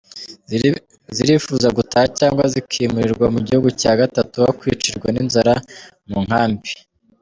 Zirifuza gutaha cyangwa zikimurirwa mu gihugu cya gatatu aho kwicirwa n’inzara mu nkambi.